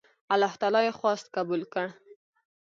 الله تعالی یې خواست قبول کړ.